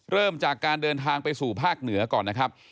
เริ่มจากการเดินทางไปสู่ภาคเหนือก่อนนะครับ